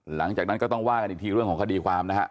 หลังจากนั้นก็ต้องว่ากันอีกทีเรื่องของคดีความนะฮะ